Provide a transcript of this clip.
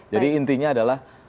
jadi intinya adalah